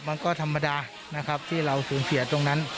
มันก็ธรรมดานะครับที่เราสูญเสียตรงนั้น